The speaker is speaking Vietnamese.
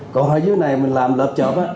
còn ở dưới này mình làm lợp chọc á